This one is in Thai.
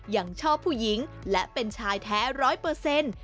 ยังชอบผู้หญิงและเป็นชายแท้ร้อยเปอร์เซ็นต์